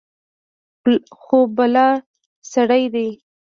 خو بلا سړى دى.